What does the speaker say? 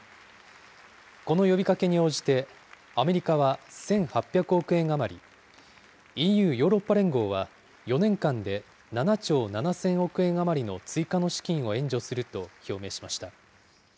この呼びかけに応じてアメリカは１８００億円余り、ＥＵ・ヨーロッパ連合は４年間で７兆７０００億円余りの追加の資金を援助すると表明しました。